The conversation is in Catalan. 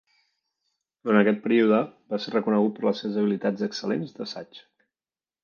Durant aquest període, va ser reconegut per les seves habilitats excel·lents d'assaig.